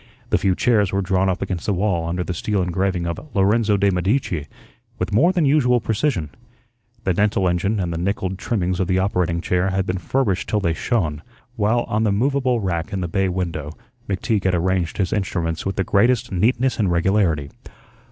The few chairs were drawn up against the wall under the steel engraving of "Lorenzo de' Medici" with more than usual precision. The dental engine and the nickelled trimmings of the operating chair had been furbished till they shone, while on the movable rack in the bay window McTeague had arranged his instruments with the greatest neatness and regularity.